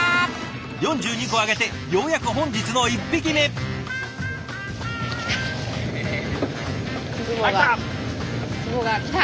４２個揚げてようやく本日の１匹目。あっ来た！